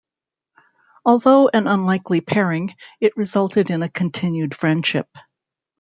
Although an unlikely pairing, it resulted in a continued friendship.